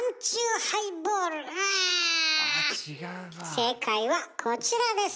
正解はこちらです。